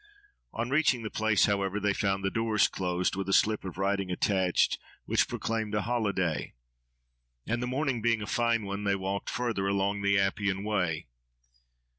On reaching the place, however, they found the doors closed, with a slip of writing attached, which proclaimed "a holiday"; and the morning being a fine one, they walked further, along the Appian Way.